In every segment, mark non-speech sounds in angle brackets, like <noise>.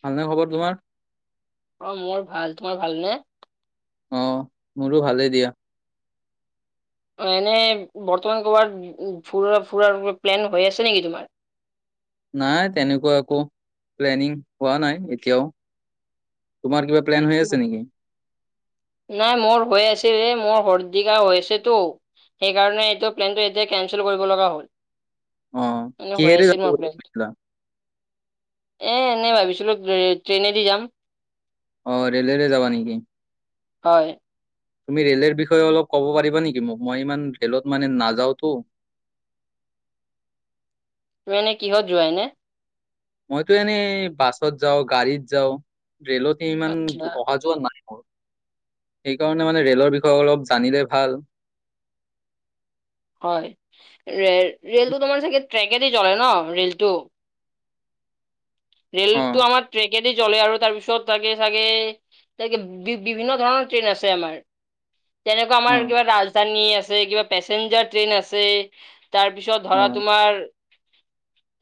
ভালনে খবৰ তোমাৰ। অ' মোৰ ভাল তোমাৰ ভালনে? অ' মোৰো ভালেই দিয়া। অ এনে বৰ্তমান কৰবাত ফুৰা-ফুৰাৰ প্লেন হৈ আছে নেকি তোমাৰ? নাই তেনেকুৱা একো প্লেনিং হোৱা নাই এতিয়াও। তোমাৰ কিবা প্লেন হৈ আছে নেকি? নাই মোৰ হৈ আছিল এ, মোৰ হ'ল যিঘা হৈছেতো সেইকাৰণে এইটো প্লেনটো এতিয়া কেনচেল কৰিব লগা হ'ল। অ এনে হয় কিহেৰে যাব আছে ন বুলি প্লেন? ভাবিছিলা? এ, এনেই ভাবিছিলো ট্ৰেইনেদি যাম। অ' ৰেলেৰে যাবা নেকি? হয়। তুমি ৰে'লৰ বিষয়ে অলপ ক'ব পাৰিবা নেকি মোক, মই ইমান ৰেলত মানে নাযাওতো। ত এনে কিহত যোৱা অনে? মইতো এনেই বাছত যাওঁ গাড়ীত যাওঁ ৰেলত ইমান আচ্ছা অহা যোৱা নাই। সেইকাৰণে মানে ৰেলৰ বিষয়ে অলপ জানিলে ভাল। <inaudible> হয়ে ৰে ৰেলটো তোমাৰ চাগে ট্ৰেকেদি চলে ন ৰেলটো? অ ৰেলতটো আমাৰ ট্ৰেকেদি চলে আৰু তাৰপিছত চাগে চাগে তাকে বি-বিভিন্ন ধৰণৰ ট্ৰেইন আছে আমাৰ। তেনেকুৱা অ আমাৰ কিবা ৰাজধানী আছে, কিবা পেচেঞ্জাৰ ট্ৰেইন আছে। তাৰপিছত অ ধৰা তোমাৰ,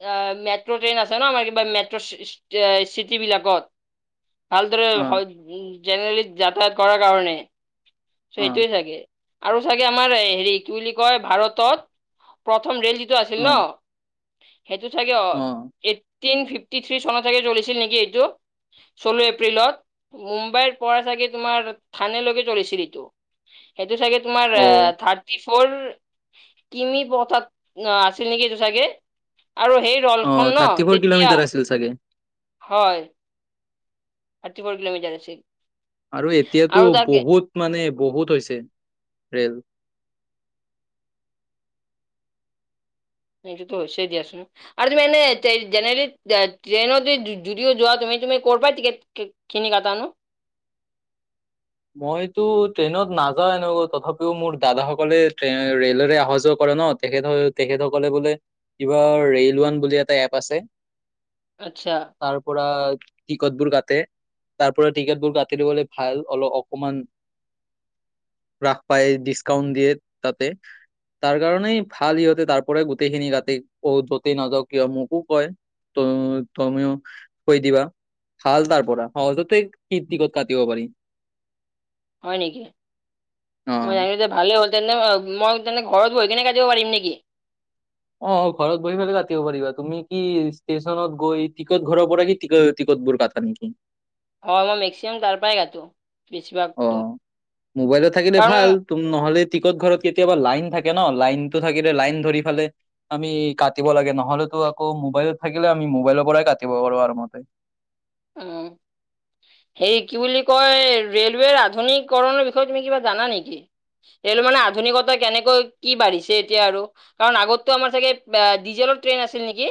এয়া মেট্ৰ' ট্ৰেইন আছে ন আমাৰ কিবা মেট চি- চি-চিটিবিলাকত ভালদৰে অ হয় জেনেৰেলি যাতায়াত কৰাৰ কাৰণে অ এ, আমাৰ হেৰি কি বুলি কয় ভাৰতত প্ৰথম ৰেল যে যে' আছিল ন অ সেইটো ছাগে অ <unintelligible> ফিফ ফিফটিথ্ৰী চনত ছাগে চলিছিল নেকি এইটো? ষোল্ল, এপ্ৰিলত মুম্বাইৰ পৰা চাগে তোমাৰ থানেলৈকে চলিছিল এইটো। সেইটো চাগে তোমাৰ অ আ, থাৰ্টি মোৰ কিনি পথত অ, আছিল নেকি এইটো চাগে? আৰু সেই অ ৰলখন ন থাৰ্টি ফ'ৰ তেতিয়া, কিলোমিটাৰ আছিল চাগে? হয়। থাৰ্টি ফৌৰ কিলোমিটাৰ আছিল। আৰু এতিয়াতো আৰু তাকে বহুত মানে বহুত হৈছে। ৰেল। সেইটোতো হৈছে দিয়াচোন আৰু তুমি এনে জেনেৰেলি তুমি ক'ৰ পৰা টিকেট কিনি কাটানো? মইতো ট্ৰেইনত নাযাও এনেকৈ তথাপিও মোৰ দাদাসকলে ট্ৰে-ৰেলেৰে আহা যোৱা কৰে। <unintelligible> তেখেতসকল-তেখেতসকলে বোলে কিবা ৰেইল ৱান বুলি এটা এপ আছে। আচ্ছা তাৰ পৰা টিকটবোৰ কাটে, তাৰ পৰা টিকটবোৰ কাটিলে বলে ভাল অলপ অকমান ৰাস পায় ডিছকাউণ্ট দিয়ে তাতে। তাৰ কাৰণেই ভাল সিহঁতে তাৰ পৰা গোটেইখিনি তাতে <unintelligible> যতেই নাযাওক কিয় মোকো কয়। ত, তুমিও কৈ দিবা। ভাল তাৰ পৰা সহজতে কীৰ্তিকত কাটিব পাৰি। হয় নেকি অ মইহিল ভালে হল। তেনে ম, মই তেনে ঘৰত বহি কিনে কাটিব পাৰিম নেকি? অ', ঘৰত বহি পেলাই কাটিব পাৰিবা তুমি কি ষ্টেচনত গৈ টিকট ঘৰৰ পৰা কি টি-টিকট দূৰ <unintelligible> নেকি? হয়। মই মেক্সিমাম তাৰ পৰাই কাটো। বেছিভাগতো অ' মোবাইলত থাকিলে কাৰণ ভাল তুম নহলে টিকট ঘৰত কেতিয়াবা লাইন থাকে ন লাইনতটো থাকিলে লাইন ধৰি ফালে আমি কাটিব লাগে নহলে তো আকৌ মোবাইলত থাকিলে আ মোবাইলৰ পৰাই কাটিব পাৰো আৰু মতে আহঁ হে কি বুলি কয় ৰেলৱেৰ আধুনিককৰণৰ বিষয়ে তুমি কিবা জানা নেকি! স মানে আধুনিকতা কেনেকৈ কি বাঢ়িছে এতিয়া আৰু কাৰণ আগতো আমাৰ চাগে ডিজেল। নে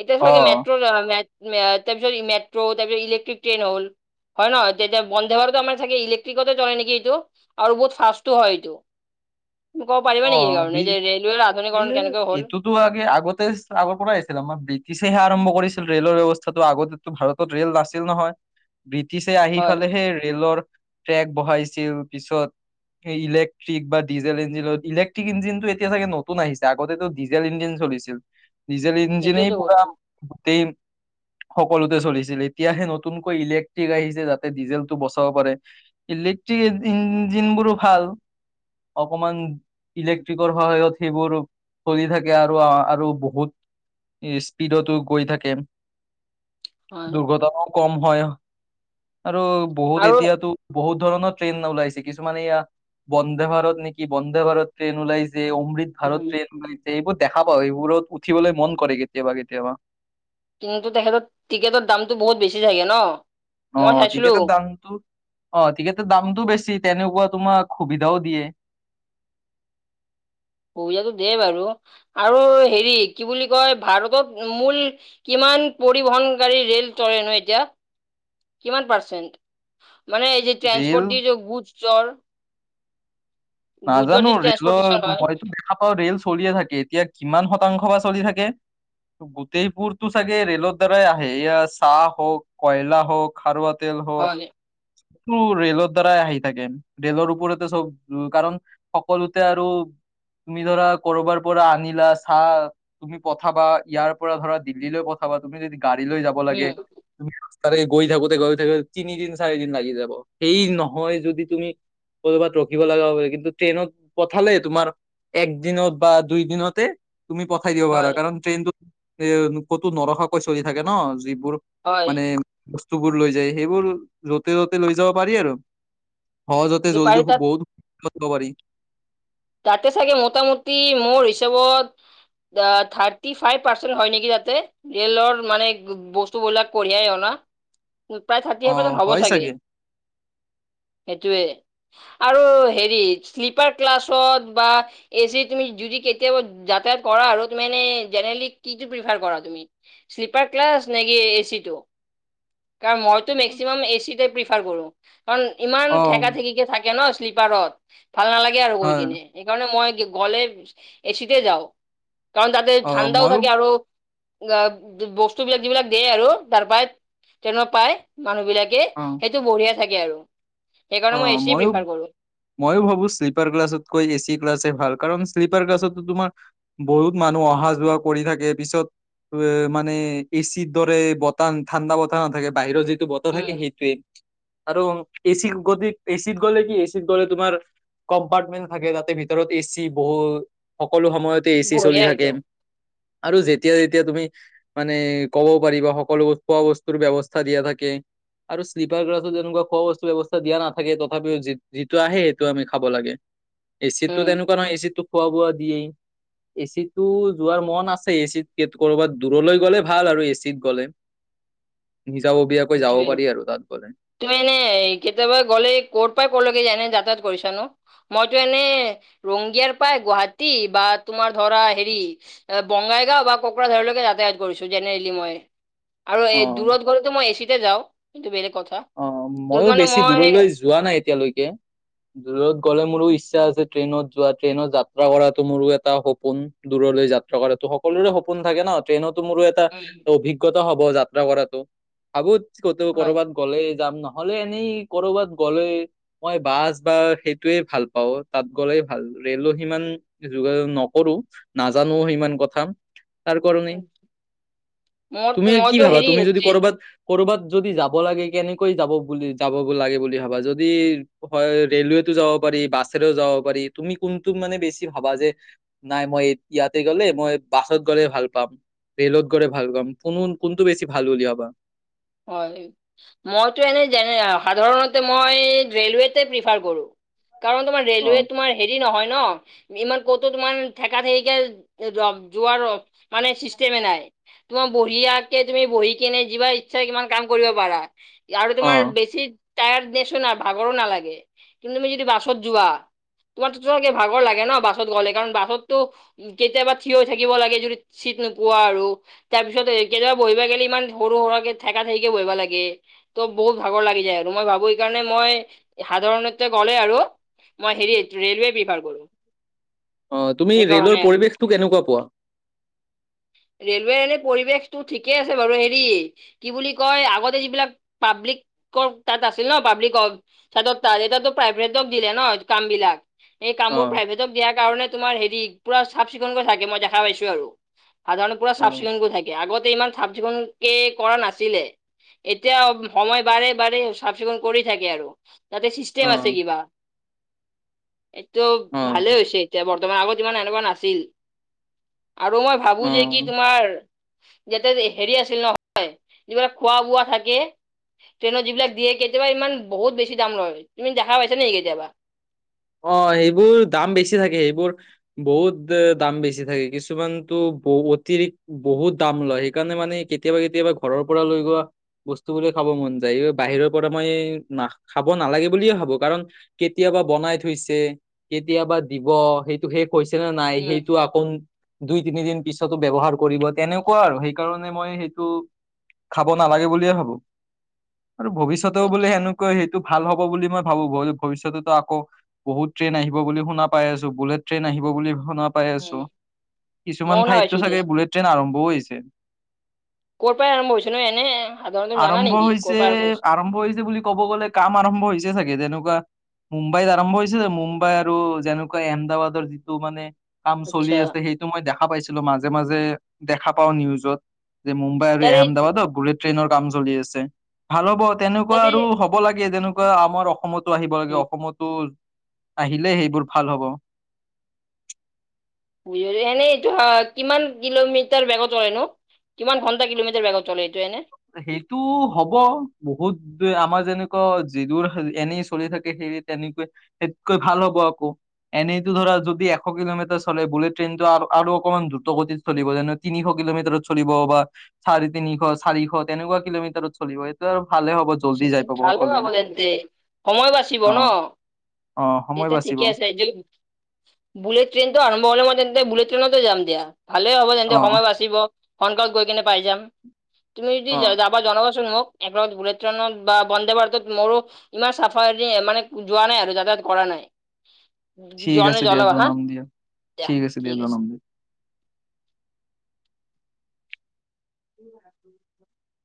এতি অ মাৰিছ তাৰপাছত ইলেকট্ৰিক ইন্টাৰনেটত হ'ল। হয় নহয় তেতিয়া বন্ধে বাৰতো আমাৰ চাগে ইলেক্ট্ৰিকতে চলে নেকি এইটো আৰু বহুত ফাটো হয় এইটো। <inaudible> পাৰিব অ নেকি কাৰণে বি যে ৰেলৱে এই এইটোতো আগে আগতে আগৰ পৰা আহিছিল আমাৰ ব্ৰিটিছেহে আৰম্ভ পৰিছিল ৰেলৰ ব্যয়ৱস্থাটো আগতেো ভাৰতত ৰেল নাছিল নহয়। ব্ৰিটিছে আহি হয় ফালেহে ৰেলৰ ট্ৰেক বঢহাইছিল পিছত ইলেক্ট্ৰিক বা ডিজেল ইঞ্জিনত। ইলেক্ট্ৰিক, ইঞ্জিনতটো এতিয়া চাগে নতুন আহিছে আগতেটো ডিজেল ইঞ্জিন চলিছিল। ডিজেল ইঞ্জিনেই সেইটোৱেতো পৰা কৈছো গোটেই <inaudible> সকলোতে চলিছিল এতিয়াহে নতুনকৈ ইলেক্ট্ৰিক আহিছে যাতে ডিজেলটো বচাব পাৰে ই্ল। ঠিক ইঞ্জিনবোৰো ভাল। অকমান ইলেক্ট্ৰিকৰ সহায়ত সেইবোৰ চলি থাকে আৰু আৰু বহুত স্পীডতো গৈ থাকে। হয় দুৰ্ঘটনাও কম হয়। আৰু বহুত আৰু এতিয়াতো বহুত ধৰণৰ ট্ৰেইন ওলাইছে। কিছুমান এয়া বন্দে ভাৰত নেকি বন্দে ভাৰত ট্ৰেইন ওলাইছে। যে অমৃত উম, ভাৰত ট্ৰেইন এইবোৰ দেখা পাওঁ, এইবোৰত উঠিবলৈ মন কৰে কেতিয়াবা-কেতিয়াবা। কিন্তু তেখেতত টিকেটত দামতটো বহুত বেছি চাগে ন? অ মই চাইছিলো টিকেটৰ দামটো? অ টিকেটৰ দামতটো বেছি তেনেকুৱা তোমাক সুবিধাও দিয়ে। <inaudible> সুবিধাটো দিয়ে বাৰু, আৰু হেৰি কি বুলি কয় ভাৰতত মূল কিমান কিমান পৰিবহনকাৰী ৰেল চলে ন এতিয়া কিমান পাৰ্চেণ্ট? মানে এই যে ৰেল ট্ৰেন্সপ'ৰ্ট দি যে গুড চৰ। নাজানো ৰেলৰ হয় মইতো দেখা পাওঁ ৰেল চলিয়ে থাকে, এতিয়া কিমান শতাংশ বা চলি থাকে। গোতেইবোৰতো চাগে ৰেলৰ দ্বাৰাই আহে। চাহ হক, কয়লা হক, খাৰুৱা তেল হওক, হয় এইটো ৰেলৰ দ্বাৰাই আহি থাকে। ৰেলৰ ওপৰতে চব কাৰণ সকলোতে আৰু- তুমি ধৰা ক'ৰবাৰ পৰা আনিলা, চাহ তুমি পঠাবা ইয়াৰ পৰা ধৰা দিল্লীলৈ পঠা বা, তুমি যদি গাড়ী লৈ যাব উম লাগে, তুমি তাৰে গৈ থাকোতে গৈ থাকো তিনিদিন চাৰি দিন লাগি যাব। সেই নহয় যদি তুমি ক'ৰবাত ৰখিব লগা কিন্তু ট্ৰেইনত পঠালে তোমাৰ এক দিনতে বা দুই দিনতে, তুমি পঠাই দিব পাৰা হয় কাৰণ ট্ৰেইনতটোত এ ক'তো নৰখাকৈ চলি থাকে ন যি বোৰ হয় মানে বস্তুবোৰ লৈ যায় সেইবোৰ য'তে য'তে লৈ যাব পাৰি আৰু। সজতে যে জল্দি পাৰি তাত বহুতব পাৰি। তাতে চাগে মোটামুটি মোৰ হিচাপত দা থাৰ্টি ফাইভ পাৰ্চেন্ট হয় নেকি তাতে, ৰেলৰ মানে বস্তুবলাক কঢ়িয়াই অনা। প্ৰায় থাৰ্টি অ ফভ পাৰ্চেণ্ট হব হয় চাগে সেইটোৱে আৰু হেৰি শ্লিপাৰ ক্লাছ ত বা এ চি তুমি যদি কেতিয়াবা যাতায়াত কৰা আৰু মানে জেনেৰেলি কিটো বিভাগত কৰা তুমি। স্লিপাৰ ক্লাছ নেকি এচিটো? কাৰণ মইতো মেক্সিমাম এচিতে প্ৰিফাৰ কৰো। কাৰণ ইমান অ ঠেকা ঠেকিকে থাকে ন শ্লিপাৰত ভাল নালাগে আৰু গৈ হয় কিনে সেইকাৰণে মই গলে এ চিতে যাও কাৰণ তাতে অ ঠাণ্ডাও মইয়ো থাকে আৰু অ বস্তু বিলাক যিবিলাক দিয়ে আৰু তাৰ পৰা তেনেকুৱাই পায় মানুহ বিলাকে অ সেইটো বঢ়িয়া থাকে আৰু। সেইকাৰণে মই অ', এচিয়ে ময়ো প্ৰিফাৰ কৰোঁ। ময়ো ভাবো শ্লিপাৰ গ্লাছত কৈ এচি ক্লাছে ভাল কাৰণ শ্লিপাৰ ক্লাছতো তোমাৰ বহুত মানুহ অহা যোৱা কৰি থাকে পিছত মান এচিৰ দৰে বতান ঠাণ্ডা বতান ন থাকে বাহিৰৰ য বত থাকে উম, সেইটোৱে আৰু এচি গতি এচিত গ'লে কি এচিত গ'লে তোমাৰ কম্পাৰ্টমেন্ট থাকে তাতে ভিতৰত এ চি বহুত সকলো সময়তে এ চি চলি বঢ়িয়া থাকে। এইটো। আৰু যেতিয়া যেতিয়া তুমি মানে কব পাৰিবা সকলো খোৱা বস্তুৰ ব্যৱস্থা দিয়া থাকে। আৰু শ্লিপাৰ গ্লছত তেনেকুৱা কোৱা বস্তু ব্যৱস্থা দিয়া নাথাকে তথাপিও যি যিটো আহে সেইটো আমি খাব লাগে উম এচিতো তেনেকুৱা নহয় এচিতো খোৱা বোৱা দিয়েই। এ চিটো যোৱাৰ মন আছে এ চিত কৰ'বাত দূৰলৈ গ'লে ভাল আৰু এ চিত গ'লে। নিজাববীয়াকৈ যাব টোৱে পাৰি আৰু তাত গ'লে ত এনে কেতিয়াবা গ'লে ক'ৰ পৰা ক'লৈকে যেনে যাতায়াত কৰিছানো। মইতো এনে ৰংগিয়াৰ পাই গুৱাহাটী বা তোমাৰ ধৰা হেৰি বগাল বাইগাঁও বা কোকৰাঝাৰলৈকে যাতায়াত কৰিছো জেনেল মই। আৰু এ অ দূৰত গলতো মই এচিতে যাওঁ কিন্তু বেলেগ কথা অ যত মইো মানে বেছি মই দূৰলৈ যোৱা নাই এতিয়ালৈকে দূৰত গ'লে মোৰো ইচ্ছা আছে ট্ৰেইনত যোৱা ট্ৰেইনত যাত্ৰা কৰাতো মোৰো এটা সপোন দূৰলৈ যাত্ৰা কৰাটো সকলোৰে সপোন। থাকে ন ট্ৰেইনত মোৰো এটা উম, অভিজ্ঞা হব যাত্ৰা কৰাটো ভাবো হয়। কৰবাত- গ'লে যাম নহলে এনেই কৰবাত গ'লে মই বাছ বা সেইটোয়ে ভাল পাওঁ তাত। গ'লে ভাল ৰেলো সিমান যোগা নকৰো নাজানো সিমান কথা। তাৰ কাৰণেই উম, মোৰ তুমি কি মইতো ভাবা হেৰি তুমি যদি ট্ৰেইন কৰবাত কৰ'ৰবাত যদি যাব লাগে কেনেকৈ যাব বুলি যাব লাগে বুলি ভাবা যদি হয় ৰেলৱেতো যাব পাৰি বাছেৰে যাব পাৰি তুমি কোনটোক মানে বেছি ভাবা যে, নাই মই ইয়াতে গলে মই বাছত গলে ভাল পাম। ৰেেলত গড ভাল কাম কোন কোনটো বেছি ভাল বুলিলি ভাবা? হয় মইতো এনেই সাধাৰণতে মই ৰেলৱেতে প্ৰিফাৰ কৰোঁ। কাৰণ তোম অ ৰেলৱে তোমাৰ হেৰি নহয়। ন ইমান কতো তোমাৰ থঠেকা থঠককে যোৱাৰ মানে চিষ্টেমে নাই। তোমাৰ বহী আকে তুমি বহি কেনে যিবা নিশ্চয় কিমান কাম কৰিব পাৰা, আৰু অ তোমাৰ বেছি টায়াৰ নেচো নাই ভাগৰো নালাগে কিন্তু তুমি যদি বাছত যোৱা তোমাৰকে ভাগৰ লাগে ন বাছত গ'লে কাৰণ বাছতো উ কেতিয়াবা থিয় হৈ থাকিব লাগে যদি চিট নোপোৱা আৰু, তাৰ পিছত কেতিয়াবা বহিবা গলে ইমান সৰু সৰাককে থেকা থেকে বহা লাগে, ত' বহুত ভাগৰ লাগি যায় আৰু। মই ভাবো এইকাৰণে মই সাধাৰণতে গ'লে আৰু মই হেৰিত ৰেলৱে ব্যভাৰ কৰোঁ। অ তুমি ৰে'লৰ পৰিৱেশটো কেনেকুৱা পোৱা? ৰেলৱে এনেই পৰিৱেশতটো ঠিকে আছে বাৰু হেৰি কি বুলি কয় আগতে যিবিলাক পাব্লিকৰ তাত আছিল ন পাব্লিকৰ তাত এতিতো চাইব্ৰ দব দিলে ন কাম বিলাক। এই অ কামবোৰ প্ৰাইভেটক দিয়াৰ কাৰণে তোমাৰ হেৰি পুৰা চাফ চিকুণকৈ থাকে মই দেখা পাইছো আৰু। সাধাৰণতে পুৰা অ চাফ চিকুণকো থাকে আগতে ইমান চাফ চিকুণক কে কৰা নাছিল। আছিলে এতিয়া সময় বাৰে বাৰে চাফ চিকুণ কৰি থাকে আৰু। তাতে চিষ্টেম আছে অ কিবা। এইটো ভালে হৈছে এতিয়া বৰ্তমান আগত ইমান এনেকুৱা নাছিল। আৰু মই অ ভাবো যে কি অ তোমাৰ যাতে হেৰি আছিল নহয় যিবিলাক খোৱা বোৱা থাকে ট্ৰেইনত যিবিলাক দিয়ে কেতিয়াবা ইমান বহুত বেছি দাম লয় তুমি দেখা পাইছা নেকি কেতিয়াবা? অ' সেইবোৰ দাম বেছি থাকে সেইবোৰ বহুত দাম বেছি থাকে কিছুমানতো বহুতে বহুত দাম লয় সেইকাৰণে মানে কেতিয়াবা কেতিয়াবা ঘৰৰ পৰা লৈ গোৱা বস্তু বোৰে খাব মন যায় বাহিৰৰ পৰা মই খাব নালাগে বুলিয়ে ভাবো কাৰণ কেতিয়াও বা বনাই কেতিয়াবা দিব সেইটো সেই কৈছে নে নাই উম সেইটো আকৌ দুই তিনিদিন পিছতো ব্যৱহাৰ কৰিব তেনেকুৱা আৰু সেইকাৰণে মই সেইটো খাব নালাগে বুলিয়ে ভাবোঁ। আৰু ভৱিষ্যতেও বোলে আচ্ছা সেনেকুৱা সেইটো ভাল হব বুলি মই ভাবো ভৱিষ্যততো আকৌ বহুত ট্ৰেইন আহিব বুলি শুনা পাইছো বুলেট ট্ৰেইন আহিব বুলি শুনা পাই আছো উম মইও কিছুমান শুনা পাইছো ঠাইততো দিয়া। চাগে বুলেট ট্ৰেইন আৰম্ভও হৈছে। <inaudible> হৈছে ন এনে সাধাৰণতে তুমি জানা আৰম্ভ নেকি ক'ৰ হৈছে পৰা হৈছে? আৰম্ভ হৈছে বুলি কব গলে কাম আৰম্ভ হৈছে হৈছে চাগে তেনকুৱা মুম্বাইত আৰম্ভ হৈছে মুম্বাই আৰু যেনেকুৱা আহমদাবাদৰ যিটো মানে কাম চলি আচ্ছা আছে সেইটো মই দেখা পাইছিলো মাজে মাজে দেখা পাওঁ নিউজত। যে মুম্বাই আৰু তাৰে আহমদাবাদ অ' বুলেট ট্ৰেইনৰ কাম চলি আছে ভাল হব তেনেকুৱা তাতে আৰু হব লাগে যেনেকুৱা আমাৰ অসমতো আহিব লাগে উম, অসমতো আহিলে সেইবোৰ ভাল হ'ব। এনেই এইটো কিমান কিলোমিটাৰ বেগত চলে নো কিমান ঘণ্টা কিলোমিটাৰ বোগত চলে এইটো এনে? সেইটো হ'ব বহুত আমাৰ যেনেকুৱা যিদোৰ এনেই চলি থাকে সেই তেনেক সকৈ ভাল হ'ব আকৌ এনেইতো ধৰা যদি এশ কিলোমিটাৰ চলে বুলেট ট্ৰেইনতটো আ আৰু অকমান দ্ৰুত গতিত চলিব যে তিনিশ কিলোমিটাৰত চলিব বা চাৰি তিনিশ চাৰি তেনেকুৱা কিলোমিটাৰত চলিব এইটো আৰু হ'ব জল্দি যাই পাব ভালে সকলোৱে হব তেন্তে সময় বাচিব অ ন। অ সময় এইটো বাচিব ঠিকেই আছে যে বুলেট ট্ৰেইনটো আৰম্ভ হলে মই তেন তে বুলেট ট্ৰেইনতে যাম দিয়া ভালে হ'ব তেন্তে অ সময় বাচিব সোনকালত গৈ কেনে পাই যাম। তুমি যদি অ যাবাৰ জনাবচোন মোক একলগত বোলেট বা বন্দে ভাৰতত মোৰো ইমান চাফা মানে যোৱা নাই আৰু যাতায়াত কৰা নাই ঠিক আছে জনেলে দিয়া জনাবা হা জনাম দিয়া ঠিক আছে। <inaudible>